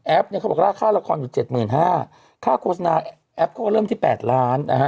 แอปเนี่ยเขาบอกล่าค่าระครจุดเจ็ดหมื่นห้าค่าโฆษณาแอปก็เริ่มที่แปดล้านนะฮะ